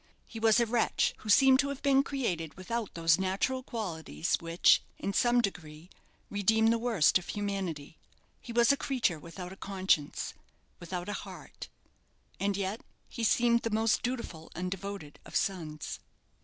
He was a wretch who seemed to have been created without those natural qualities which, in some degree, redeem the worst of humanity. He was a creature without a conscience without a heart. And yet he seemed the most dutiful and devoted of sons.